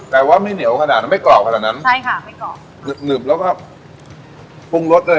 แต่ว่าไม่เหนียวขนาดนั้นไม่กรอบขนาดนั้นใช่ค่ะไม่กรอบหนึบหนึบแล้วก็ปรุงรสเลย